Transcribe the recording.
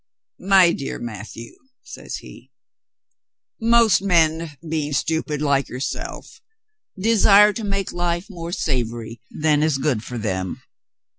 "My dear Matthieu," says he, "most men, being stupid like yourself, desire to make life more savory than is good for them.